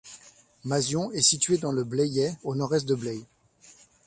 Mazion est située dans le Blayais au nord-est de Blaye.